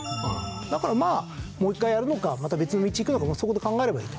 だからもう一回やるのかまた別の道行くのかそこで考えればいいと。